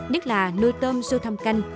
nhất là nuôi tôm sâu thăm canh